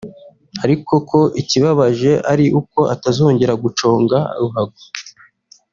ariko ko ikibabaje ari uko atazongera guconga ruhago